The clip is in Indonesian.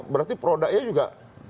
berarti produknya juga